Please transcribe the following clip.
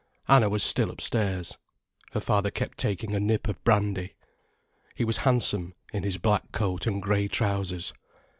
Anna was still upstairs. Her father kept taking a nip of brandy. He was handsome in his black coat and grey trousers.